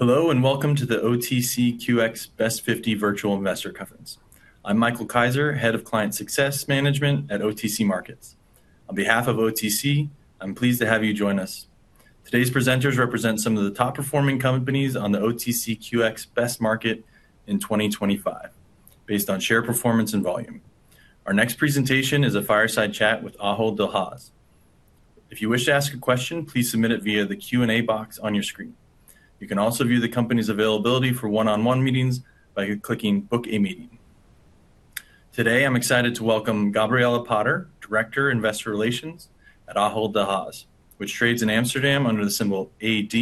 Hello, and welcome to the OTCQX Best 50 Virtual Investor Conference. I'm Michael Kaiser, Head of Client Success Management at OTC Markets. On behalf of OTC, I'm pleased to have you join us. Today's presenters represent some of the top-performing companies on the OTCQX Best Market in 2025 based on share performance and volume. Our next presentation is a fireside chat with Ahold Delhaize. If you wish to ask a question, please submit it via the Q&A box on your screen. You can also view the company's availability for one-on-one meetings by clicking "Book a Meeting." Today, I'm excited to welcome Gabriella Potter, Director, Investor Relations at Ahold Delhaize, which trades in Amsterdam under the symbol AD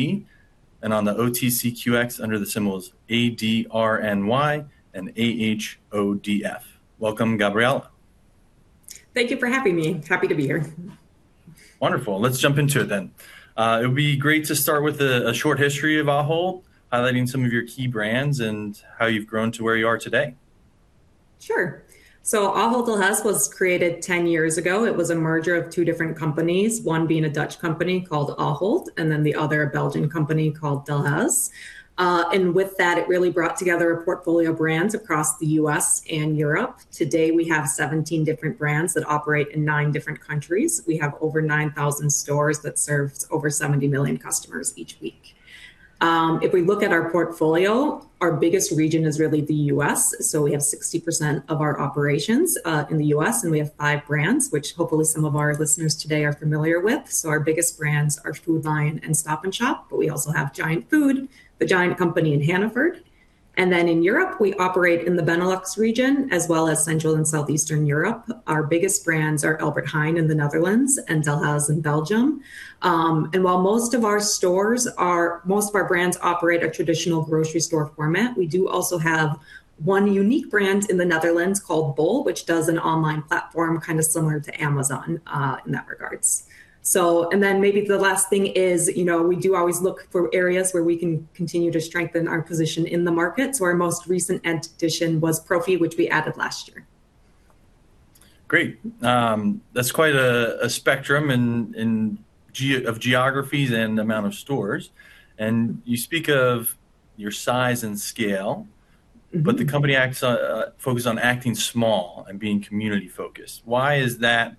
and on the OTCQX under the symbols ADRNY and AHODF. Welcome, Gabriella. Thank you for having me. Happy to be here. Wonderful. Let's jump into it then. It would be great to start with a short history of Ahold, highlighting some of your key brands and how you've grown to where you are today. Sure. Ahold Delhaize was created 10 years ago. It was a merger of two different companies, one being a Dutch company called Ahold, and then the other a Belgian company called Delhaize. With that, it really brought together a portfolio of brands across the U.S. and Europe. Today, we have 17 different brands that operate in nine different countries. We have over 9,000 stores that serves over 70 million customers each week. If we look at our portfolio, our biggest region is really the U.S. We have 60% of our operations in the U.S., and we have five brands which hopefully some of our listeners today are familiar with. Our biggest brands are Food Lion and Stop & Shop, but we also have Giant Food, The GIANT Company, and Hannaford. In Europe, we operate in the Benelux region, as well as Central and Southeastern Europe. Our biggest brands are Albert Heijn in the Netherlands and Delhaize in Belgium. While most of our brands operate a traditional grocery store format, we do also have one unique brand in the Netherlands called bol, which does an online platform kind of similar to Amazon, in that regards. Maybe the last thing is, you know, we do always look for areas where we can continue to strengthen our position in the market. Our most recent addition was Profi, which we added last year. Great. That's quite a spectrum of geographies and amount of stores. You speak of your size and scale the company acts focused on acting small and being community-focused. Why is that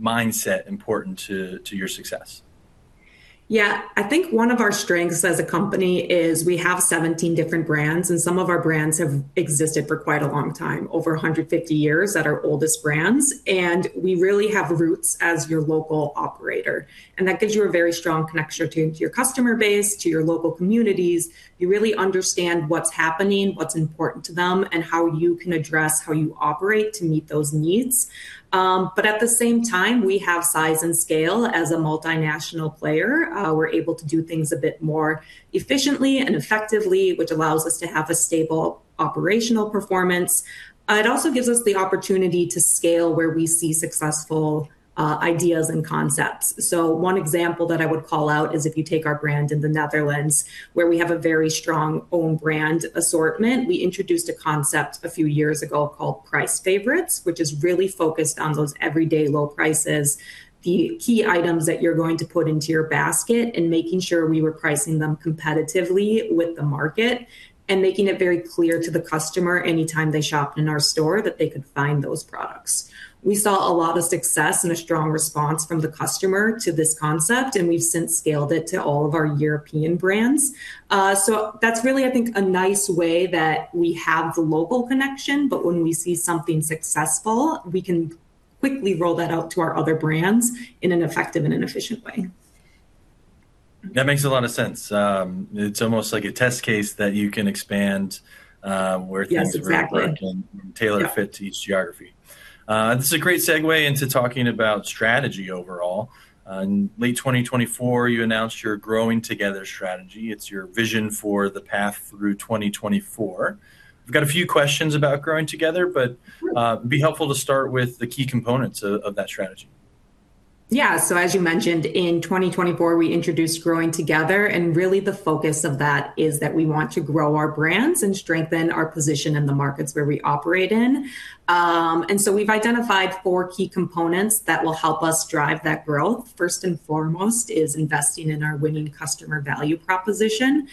mindset important to your success? Yeah. I think one of our strengths as a company is we have 17 different brands, and some of our brands have existed for quite a long time, over 150 years at our oldest brands, and we really have roots as your local operator. That gives you a very strong connection to your customer base, to your local communities. You really understand what's happening, what's important to them, and how you can address how you operate to meet those needs. But at the same time, we have size and scale as a multinational player. We're able to do things a bit more efficiently and effectively, which allows us to have a stable operational performance. It also gives us the opportunity to scale where we see successful ideas and concepts. One example that I would call out is if you take our brand in the Netherlands, where we have a very strong own brand assortment. We introduced a concept a few years ago called Price Favorites, which is really focused on those everyday low prices, the key items that you're going to put into your basket and making sure we were pricing them competitively with the market and making it very clear to the customer anytime they shopped in our store that they could find those products. We saw a lot of success and a strong response from the customer to this concept, and we've since scaled it to all of our European brands. That's really, I think, a nice way that we have the local connection, but when we see something successful, we can quickly roll that out to our other brands in an effective and an efficient way. That makes a lot of sense. It's almost like a test case that you can expand. Yes, exactly. Where things are working, tailor-fit to each geography. This is a great segue into talking about strategy overall. In late 2024, you announced your Growing Together strategy. It's your vision for the path through 2024. We've got a few questions about Growing Together, but— Sure. It'd be helpful to start with the key components of that strategy. Yeah. As you mentioned, in 2024, we introduced Growing Together, and really the focus of that is that we want to grow our brands and strengthen our position in the markets where we operate in. We've identified four key components that will help us drive that growth. First and foremost is investing in our winning customer value proposition.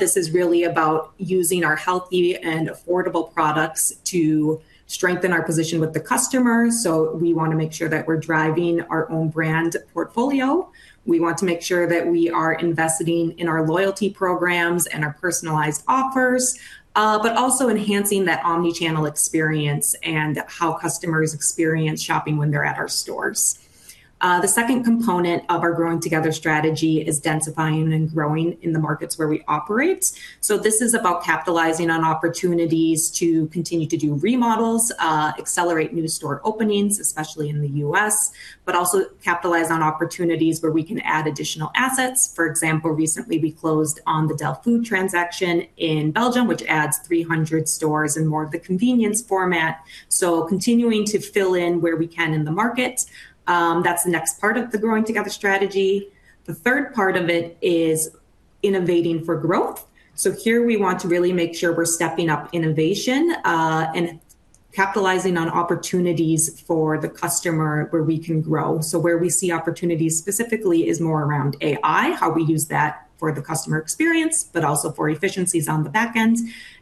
This is really about using our healthy and affordable products to strengthen our position with the customers. We wanna make sure that we're driving our own brand portfolio. We want to make sure that we are investing in our loyalty programs and our personalized offers, but also enhancing that omnichannel experience and how customers experience shopping when they're at our stores. The second component of our Growing Together strategy is densifying and growing in the markets where we operate. This is about capitalizing on opportunities to continue to do remodels, accelerate new store openings, especially in the U.S., but also capitalize on opportunities where we can add additional assets. For example, recently, we closed on the Delhaize transaction in Belgium, which adds 300 stores in more of the convenience format. Continuing to fill in where we can in the market, that's the next part of the Growing Together strategy. The third part of it is innovating for growth. Here we want to really make sure we're stepping up innovation, and capitalizing on opportunities for the customer where we can grow. Where we see opportunities specifically is more around AI, how we use that for the customer experience, but also for efficiencies on the back end,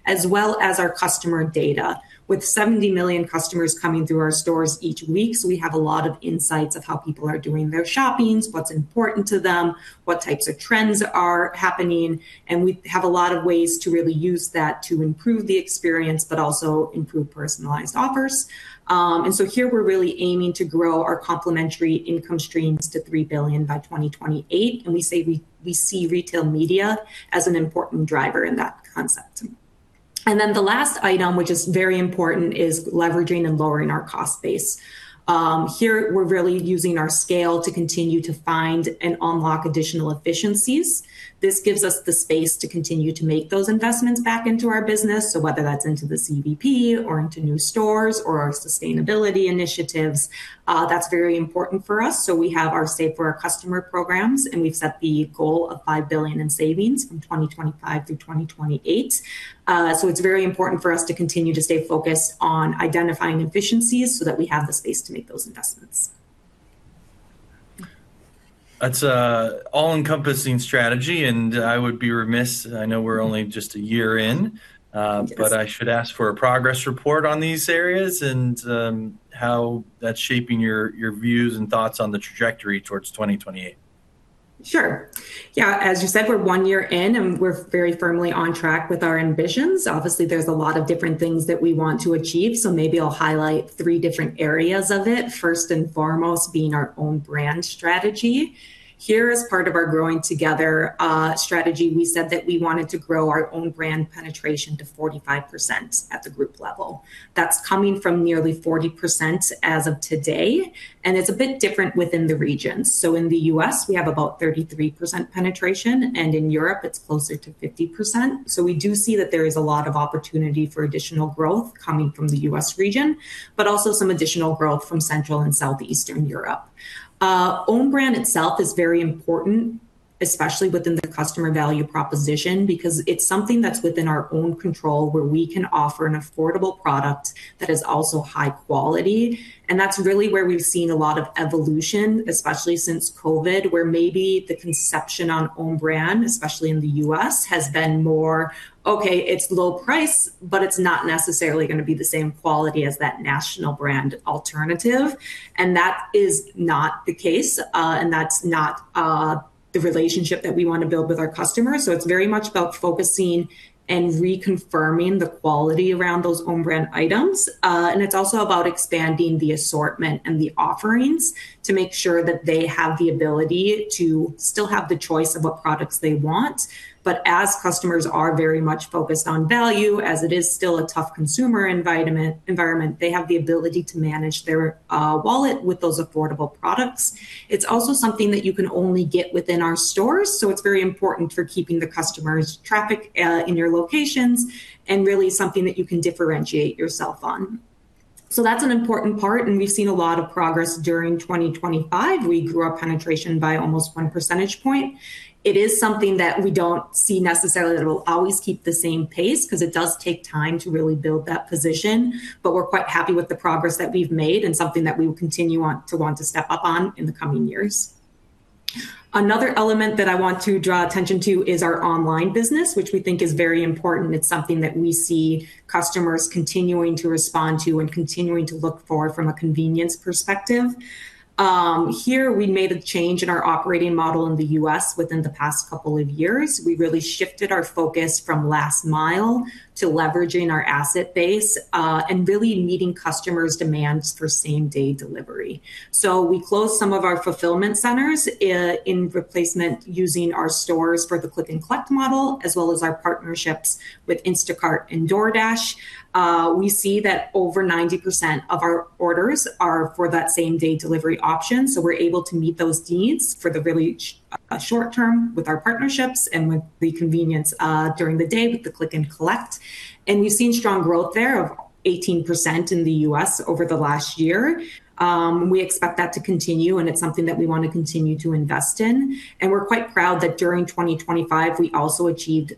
as well as our customer data. With 70 million customers coming through our stores each week, so we have a lot of insights of how people are doing their shopping, what's important to them, what types of trends are happening, and we have a lot of ways to really use that to improve the experience but also improve personalized offers. Here we're really aiming to grow our complementary income streams to 3 billion by 2028, and we say we see retail media as an important driver in that concept. The last item, which is very important, is leveraging and lowering our cost base. Here we're really using our scale to continue to find and unlock additional efficiencies. This gives us the space to continue to make those investments back into our business. Whether that's into the CVP or into new stores or our sustainability initiatives, that's very important for us. We have our Save for Our Customers programs, and we've set the goal of 5 billion in savings from 2025 through 2028. It's very important for us to continue to stay focused on identifying efficiencies so that we have the space to make those investments. That's an all-encompassing strategy, and I would be remiss. I know we're only just a year in. Yes. I should ask for a progress report on these areas and how that's shaping your views and thoughts on the trajectory towards 2028. Sure. Yeah, as you said, we're one year in, and we're very firmly on track with our ambitions. Obviously, there's a lot of different things that we want to achieve, so maybe I'll highlight three different areas of it, first and foremost being our own brand strategy. Here, as part of our Growing Together strategy, we said that we wanted to grow our own brand penetration to 45% at the group level. That's coming from nearly 40% as of today, and it's a bit different within the regions. So in the U.S., we have about 33% penetration, and in Europe, it's closer to 50%. So we do see that there is a lot of opportunity for additional growth coming from the U.S. region, but also some additional growth from Central and Southeastern Europe. Own brand itself is very important, especially within the Customer Value Proposition, because it's something that's within our own control where we can offer an affordable product that is also high quality. That's really where we've seen a lot of evolution, especially since COVID, where maybe the perception on own brands, especially in the U.S., has been more, okay, it's low price, but it's not necessarily gonna be the same quality as that national brand alternative. That is not the case, and that's not the relationship that we want to build with our customers. It's very much about focusing and reconfirming the quality around those own brand items. It's also about expanding the assortment and the offerings to make sure that they have the ability to still have the choice of what products they want. As customers are very much focused on value, as it is still a tough consumer environment, they have the ability to manage their wallet with those affordable products. It's also something that you can only get within our stores, so it's very important for keeping the customer traffic in your locations and really something that you can differentiate yourself on. That's an important part, and we've seen a lot of progress during 2025. We grew our penetration by almost 1 percentage point. It is something that we don't see necessarily that will always keep the same pace because it does take time to really build that position, but we're quite happy with the progress that we've made and something that we will continue on to want to step up on in the coming years. Another element that I want to draw attention to is our online business, which we think is very important. It's something that we see customers continuing to respond to and continuing to look for from a convenience perspective. Here we made a change in our operating model in the U.S. within the past couple of years. We really shifted our focus from last mile to leveraging our asset base, and really meeting customers' demands for same-day delivery. We closed some of our fulfillment centers, in replacement using our stores for the click-and-collect model, as well as our partnerships with Instacart and DoorDash. We see that over 90% of our orders are for that same-day delivery option, so we're able to meet those needs for the really short term with our partnerships and with the convenience during the day with the click-and-collect. We've seen strong growth there of 18% in the U.S. over the last year. We expect that to continue, and it's something that we wanna continue to invest in. We're quite proud that during 2025, we also achieved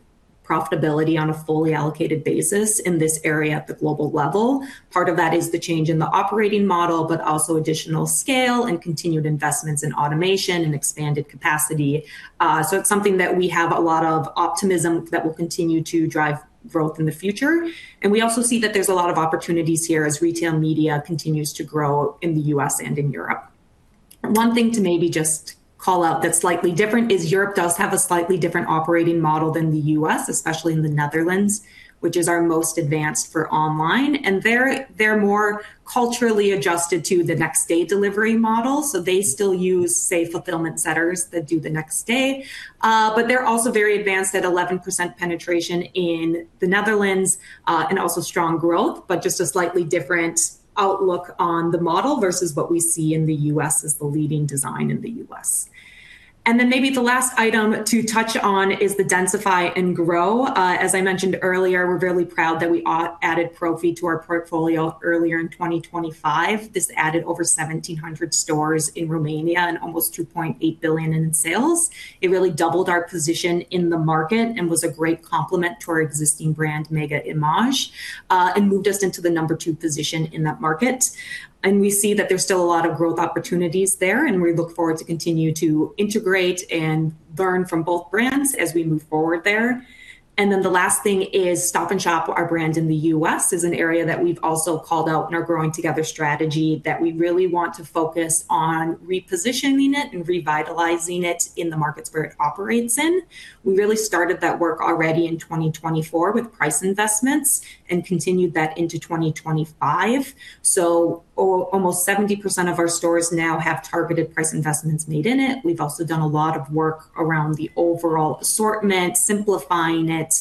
profitability on a fully allocated basis in this area at the global level. Part of that is the change in the operating model, but also additional scale and continued investments in automation and expanded capacity. It's something that we have a lot of optimism that will continue to drive growth in the future. We also see that there's a lot of opportunities here as retail media continues to grow in the U.S. and in Europe. One thing to maybe just call out that's slightly different is Europe does have a slightly different operating model than the U.S., especially in the Netherlands, which is our most advanced for online. They're more culturally adjusted to the next-day delivery model. They still use, say, fulfillment centers that do the next day. But they're also very advanced at 11% penetration in the Netherlands, and also strong growth, but just a slightly different outlook on the model versus what we see in the U.S. as the leading design in the U.S. Then maybe the last item to touch on is the densify and grow. As I mentioned earlier, we're really proud that we added Profi to our portfolio earlier in 2025. This added over 1,700 stores in Romania and almost 2.8 billion in sales. It really doubled our position in the market and was a great complement to our existing brand, Mega Image, and moved us into the number two position in that market. We see that there's still a lot of growth opportunities there, and we look forward to continue to integrate and learn from both brands as we move forward there. The last thing is Stop & Shop, our brand in the U.S., is an area that we've also called out in our Growing Together strategy that we really want to focus on repositioning it and revitalizing it in the markets where it operates in. We really started that work already in 2024 with price investments and continued that into 2025. Almost 70% of our stores now have targeted price investments made in it. We've also done a lot of work around the overall assortment, simplifying it,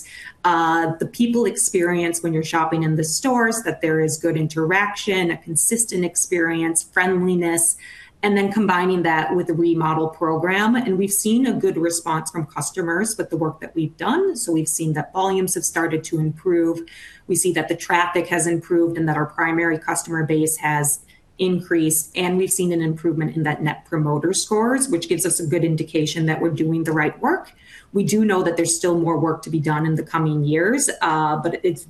the people experience when you're shopping in the stores, that there is good interaction, a consistent experience, friendliness, and then combining that with the remodel program. We've seen a good response from customers with the work that we've done. We've seen that volumes have started to improve. We see that the traffic has improved and that our primary customer base has increased, and we've seen an improvement in that Net Promoter Score, which gives us a good indication that we're doing the right work. We do know that there's still more work to be done in the coming years, but it's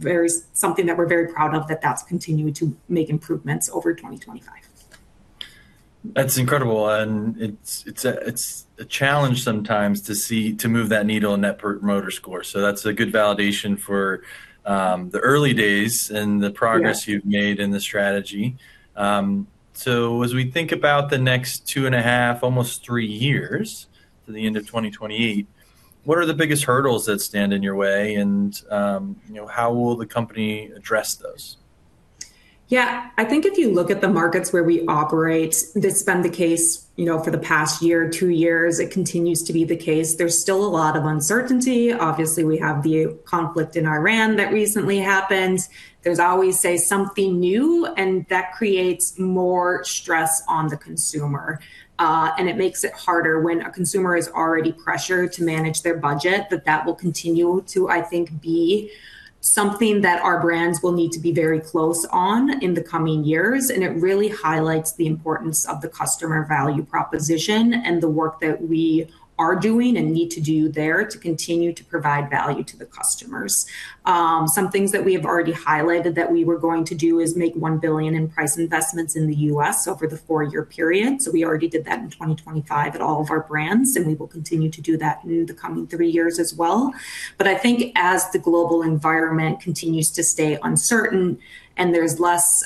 something that we're very proud of that's continuing to make improvements over 2025. That's incredible. It's a challenge sometimes to move that needle on Net Promoter Score. That's a good validation for the early days and the progress you've made in the strategy. As we think about the next two and a half, almost three years to the end of 2028, what are the biggest hurdles that stand in your way and, you know, how will the company address those? Yeah. I think if you look at the markets where we operate, that's been the case, you know, for the past year, two years. It continues to be the case. There's still a lot of uncertainty. Obviously, we have the conflict in Iran that recently happened. There's always something new, and that creates more stress on the consumer. And it makes it harder when a consumer is already pressured to manage their budget, that will continue to, I think, be something that our brands will need to be very close on in the coming years. It really highlights the importance of the customer value proposition and the work that we are doing and need to do there to continue to provide value to the customers. Some things that we have already highlighted that we were going to do is make $1 billion in price investments in the U.S. over the four-year period. We already did that in 2025 at all of our brands, and we will continue to do that through the coming three years as well. I think as the global environment continues to stay uncertain and there's less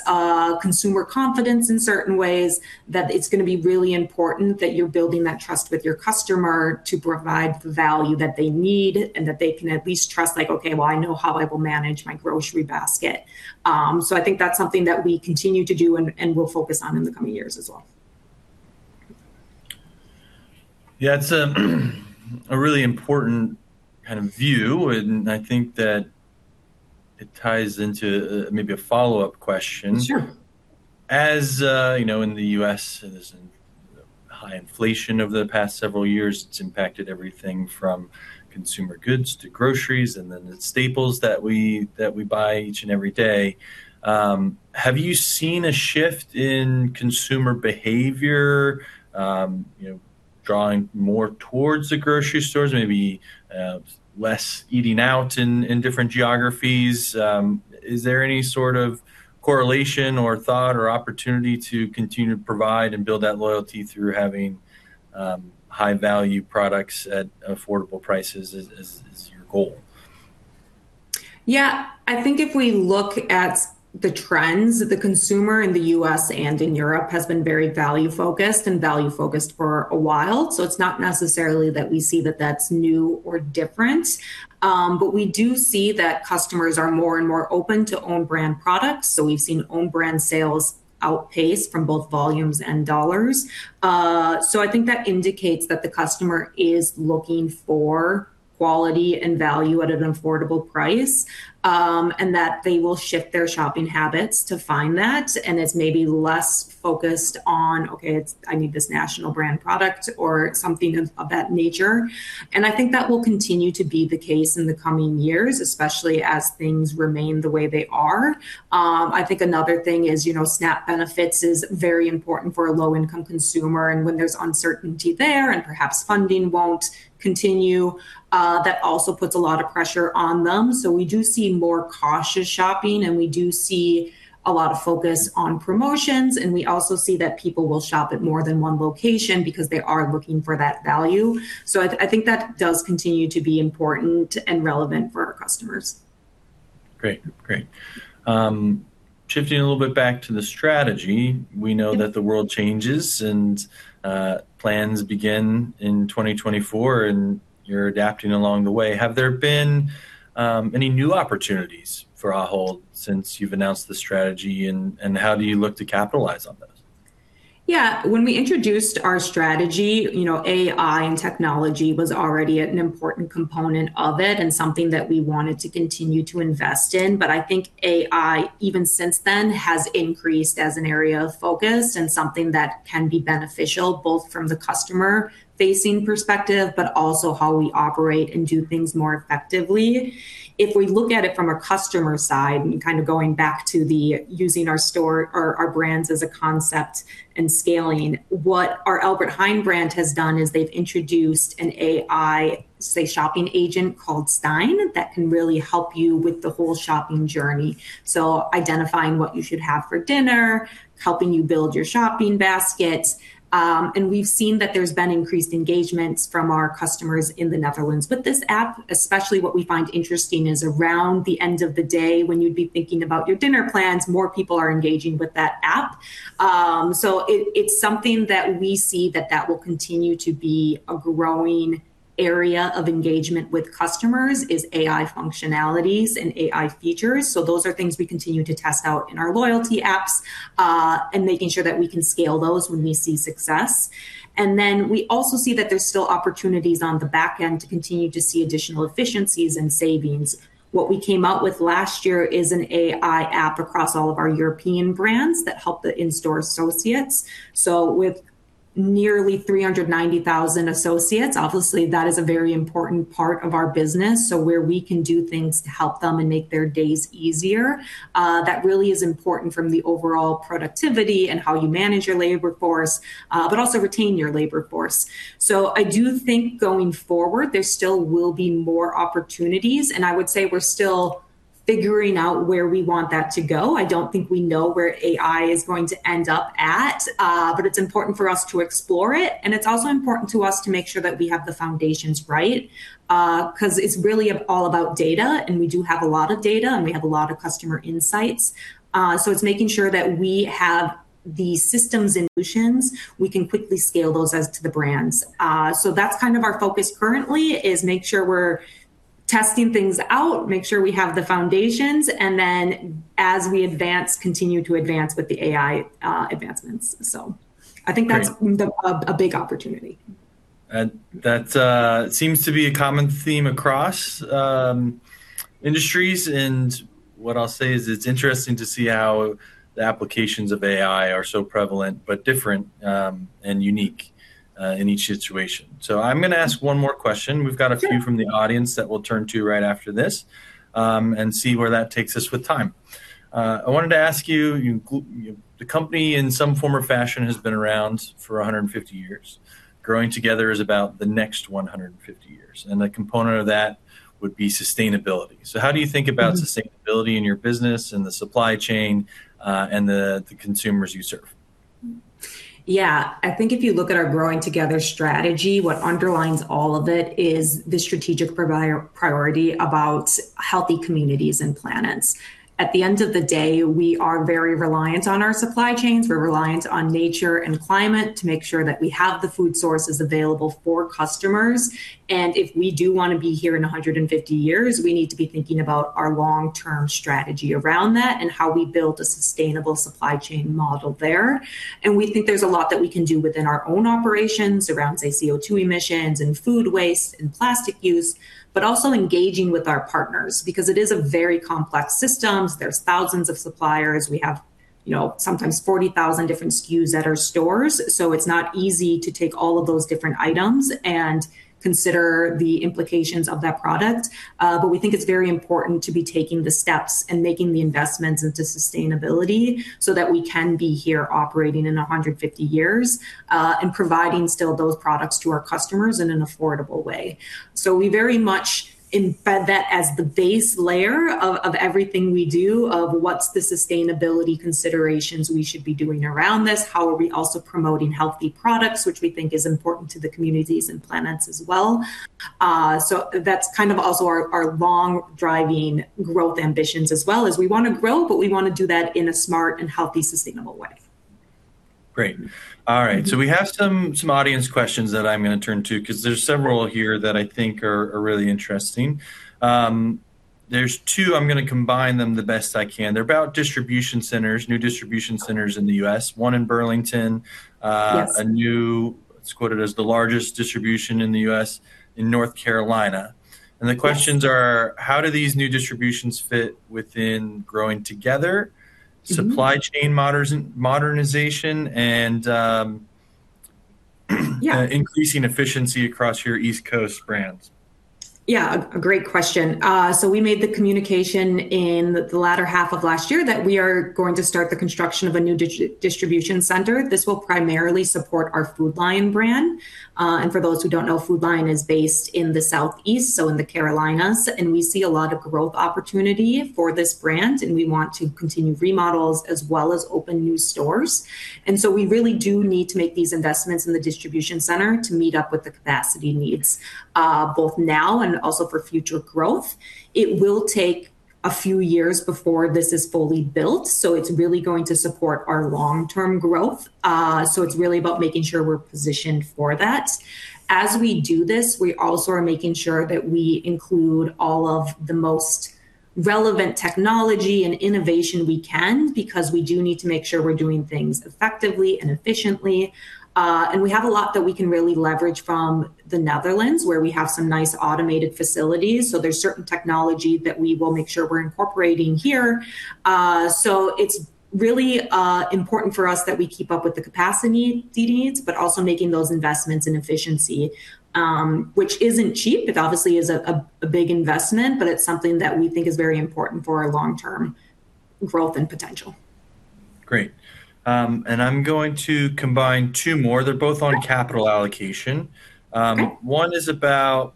consumer confidence in certain ways, that it's gonna be really important that you're building that trust with your customer to provide the value that they need and that they can at least trust, like, "Okay, well, I know how I will manage my grocery basket." I think that's something that we continue to do and will focus on in the coming years as well. Yeah, it's a really important kind of view, and I think that it ties into maybe a follow-up question. Sure. You know, in the U.S., there's been high inflation over the past several years. It's impacted everything from consumer goods to groceries and then the staples that we buy each and every day. Have you seen a shift in consumer behavior, you know, drawing more towards the grocery stores, maybe, less eating out in different geographies? Is there any sort of correlation or thought or opportunity to continue to provide and build that loyalty through having high-value products at affordable prices as your goal? Yeah. I think if we look at the trends, the consumer in the U.S. and in Europe has been very value-focused for a while. It's not necessarily that we see that that's new or different. We do see that customers are more and more open to own brand products. We've seen own brand sales outpace from both volumes and dollars. I think that indicates that the customer is looking for quality and value at an affordable price, and that they will shift their shopping habits to find that. It's maybe less focused on, okay, it's I need this national brand product or something of that nature. I think that will continue to be the case in the coming years, especially as things remain the way they are. I think another thing is, you know, SNAP benefits is very important for a low-income consumer. When there's uncertainty there and perhaps funding won't continue, that also puts a lot of pressure on them. We do see more cautious shopping, and we do see a lot of focus on promotions, and we also see that people will shop at more than one location because they are looking for that value. I think that does continue to be important and relevant for our customers. Great. Shifting a little bit back to the strategy. We know that the world changes and plans begin in 2024, and you're adapting along the way. Have there been any new opportunities for Ahold since you've announced the strategy, and how do you look to capitalize on them? Yeah. When we introduced our strategy, you know, AI and technology was already an important component of it and something that we wanted to continue to invest in. I think AI, even since then, has increased as an area of focus and something that can be beneficial both from the customer-facing perspective, but also how we operate and do things more effectively. If we look at it from a customer side and kind of going back to the using our store or our brands as a concept and scaling, what our Albert Heijn brand has done is they've introduced an AI, say, shopping agent called Steijn that can really help you with the whole shopping journey. Identifying what you should have for dinner, helping you build your shopping basket, and we've seen that there's been increased engagements from our customers in the Netherlands. This app, especially what we find interesting, is around the end of the day when you'd be thinking about your dinner plans, more people are engaging with that app. It's something that we see that will continue to be a growing area of engagement with customers is AI functionalities and AI features. Those are things we continue to test out in our loyalty apps, and making sure that we can scale those when we see success. We also see that there's still opportunities on the back end to continue to see additional efficiencies and savings. What we came out with last year is an AI app across all of our European brands that help the in-store associates. With nearly 390,000 associates, obviously that is a very important part of our business. Where we can do things to help them and make their days easier, that really is important from the overall productivity and how you manage your labor force, but also retain your labor force. I do think going forward there still will be more opportunities, and I would say we're still figuring out where we want that to go. I don't think we know where AI is going to end up at, but it's important for us to explore it. It's also important to us to make sure that we have the foundations right, 'cause it's really all about data, and we do have a lot of data, and we have a lot of customer insights. It's making sure that we have the systems and solutions we can quickly scale those across the brands. That's kind of our focus currently is make sure we're testing things out, make sure we have the foundations, and then as we advance, continue to advance with the AI advancements. I think that's a big opportunity. Great. That seems to be a common theme across industries. What I'll say is it's interesting to see how the applications of AI are so prevalent but different and unique in each situation. I'm gonna ask one more question. Sure. We've got a few from the audience that we'll turn to right after this, and see where that takes us with time. I wanted to ask you. The company in some form or fashion, has been around for 150 years. Growing Together is about the next 150 years, and a component of that would be sustainability. How do you think about sustainability in your business and the supply chain, and the consumers you serve? Yeah. I think if you look at our Growing Together strategy, what underlines all of it is the strategic priority about healthy communities and planets. At the end of the day, we are very reliant on our supply chains. We're reliant on nature and climate to make sure that we have the food sources available for customers. If we do wanna be here in 150 years, we need to be thinking about our long-term strategy around that and how we build a sustainable supply chain model there. We think there's a lot that we can do within our own operations around, say, CO2 emissions and food waste and plastic use, but also engaging with our partners because it is a very complex systems. There's thousands of suppliers. We have, you know, sometimes 40,000 different SKUs at our stores, so it's not easy to take all of those different items and consider the implications of that product. But we think it's very important to be taking the steps and making the investments into sustainability so that we can be here operating in 150 years, and providing still those products to our customers in an affordable way. We very much embed that as the base layer of everything we do, of what's the sustainability considerations we should be doing around this, how are we also promoting healthy products, which we think is important to the communities and planet as well. That's kind of also our long driving growth ambitions as well. We wanna grow, but we wanna do that in a smart and healthy, sustainable way. Great. All right. We have some audience questions that I'm gonna turn to 'cause there's several here that I think are really interesting. There's two. I'm gonna combine them the best I can. They're about distribution centers, new distribution centers in the U.S. One in Burlington. Yes. It's quoted as the largest distribution in the U.S. in North Carolina. Yes. The questions are: How do these new distributions fit within Growing Together supply chain modernization and increasing efficiency across your East Coast brands? Yeah, a great question. We made the communication in the latter half of last year that we are going to start the construction of a new distribution center. This will primarily support our Food Lion brand. For those who don't know, Food Lion is based in the Southeast, so in the Carolinas. We see a lot of growth opportunity for this brand, and we want to continue remodels as well as open new stores. We really do need to make these investments in the distribution center to meet up with the capacity needs, both now and also for future growth. It will take a few years before this is fully built. It's really going to support our long-term growth. It's really about making sure we're positioned for that. As we do this, we also are making sure that we include all of the most relevant technology and innovation we can because we do need to make sure we're doing things effectively and efficiently. We have a lot that we can really leverage from the Netherlands where we have some nice automated facilities. There's certain technology that we will make sure we're incorporating here. It's really important for us that we keep up with the capacity needs, but also making those investments in efficiency, which isn't cheap. It obviously is a big investment, but it's something that we think is very important for our long-term growth and potential. Great. I'm going to combine two more. They're both on capital allocation. Okay. One is about,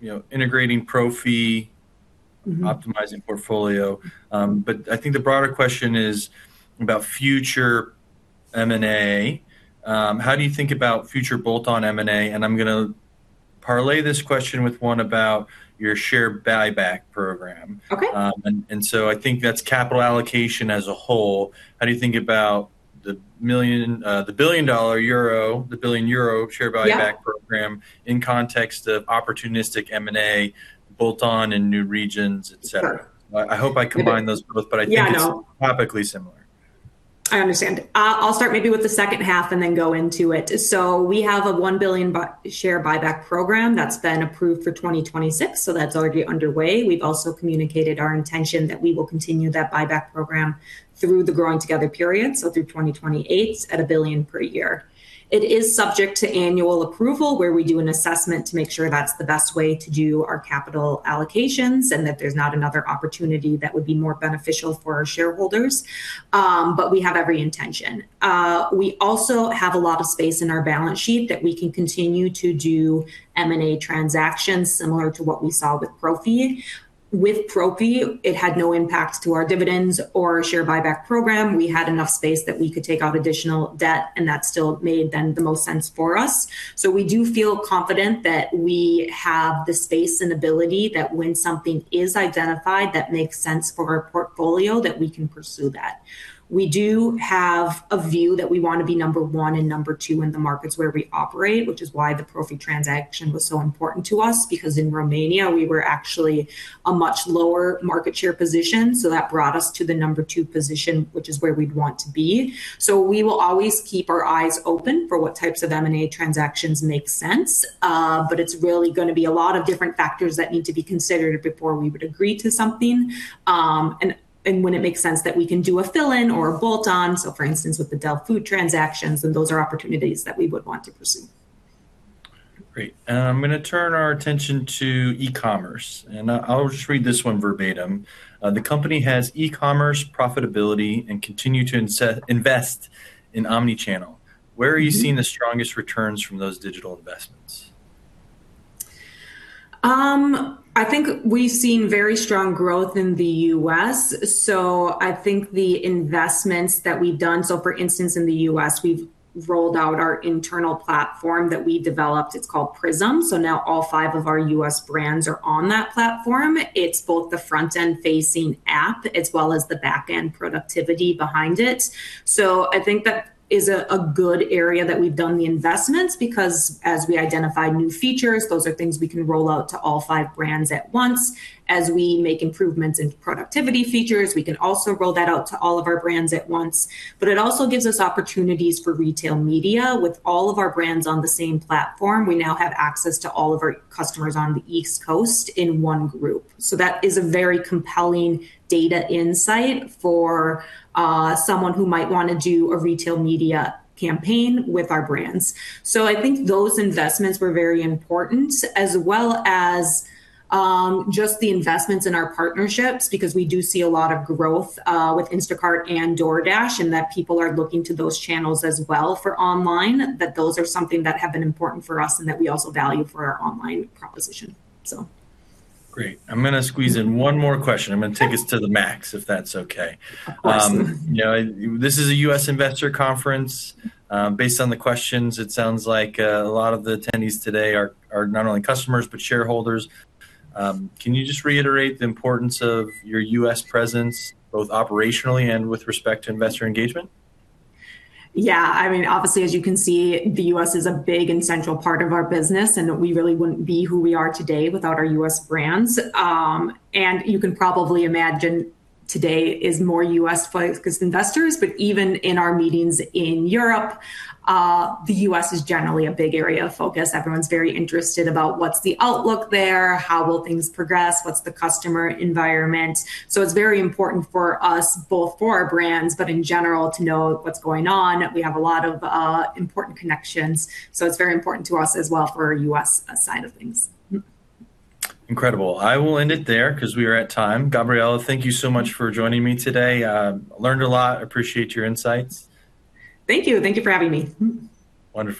you know, integrating Profi, optimizing portfolio. I think the broader question is about future M&A. How do you think about future bolt-on M&A? I'm gonna parlay this question with one about your share buyback program. Okay. I think that's capital allocation as a whole. How do you think about the 1 billion euro share buyback program in context of opportunistic M&A, bolt-on in new regions, et cetera. Sure. I hope I combined those both, but I think it's. Yeah, no. Topically similar. I understand. I'll start maybe with the second half and then go into it. We have a 1 billion share buyback program that's been approved for 2026, so that's already underway. We've also communicated our intention that we will continue that buyback program through the Growing Together period, so through 2028 at 1 billion per year. It is subject to annual approval where we do an assessment to make sure that's the best way to do our capital allocations, and that there's not another opportunity that would be more beneficial for our shareholders, but we have every intention. We also have a lot of space in our balance sheet that we can continue to do M&A transactions similar to what we saw with Profi. With Profi, it had no impact to our dividends or share buyback program. We had enough space that we could take out additional debt, and that still made then the most sense for us. We do feel confident that we have the space and ability that when something is identified that makes sense for our portfolio, that we can pursue that. We do have a view that we wanna be number one and number two in the markets where we operate, which is why the Profi transaction was so important to us because in Romania we were actually a much lower market share position, so that brought us to the number two position, which is where we'd want to be. We will always keep our eyes open for what types of M&A transactions make sense. It's really gonna be a lot of different factors that need to be considered before we would agree to something, and when it makes sense that we can do a fill-in or a bolt-on, so for instance with the Delhaize food transactions, then those are opportunities that we would want to pursue. Great. I'm gonna turn our attention to e-commerce, and I'll just read this one verbatim. The company has e-commerce profitability and continue to invest in omnichannel. Where are you seeing the strongest returns from those digital investments? I think we've seen very strong growth in the U.S. I think the investments that we've done. For instance, in the U.S. we've rolled out our internal platform that we developed, it's called PRISM. Now all five of our U.S. brands are on that platform. It's both the front end facing app as well as the back end productivity behind it. I think that is a good area that we've done the investments because as we identify new features, those are things we can roll out to all five brands at once. As we make improvements in productivity features, we can also roll that out to all of our brands at once. It also gives us opportunities for retail media. With all of our brands on the same platform, we now have access to all of our customers on the East Coast in one group. That is a very compelling data insight for someone who might wanna do a retail media campaign with our brands. I think those investments were very important as well as just the investments in our partnerships because we do see a lot of growth with Instacart and DoorDash, and that people are looking to those channels as well for online, that those are something that have been important for us and that we also value for our online proposition. Great. I'm gonna squeeze in one more question. I'm gonna take us to the max, if that's okay. Of course. You know, this is a U.S. investor conference. Based on the questions, it sounds like a lot of the attendees today are not only customers, but shareholders. Can you just reiterate the importance of your U.S. presence both operationally and with respect to investor engagement? Yeah. I mean, obviously as you can see, the U.S. is a big and central part of our business, and we really wouldn't be who we are today without our U.S. brands. You can probably imagine today is more U.S.-focused 'cause investors, but even in our meetings in Europe, the U.S. is generally a big area of focus. Everyone's very interested about what's the outlook there, how will things progress, what's the customer environment. It's very important for us both for our brands, but in general to know what's going on. We have a lot of important connections. It's very important to us as well for our U.S. side of things. Incredible. I will end it there 'cause we are at time. Gabriella, thank you so much for joining me today. Learned a lot. Appreciate your insights. Thank you. Thank you for having me. Wonderful.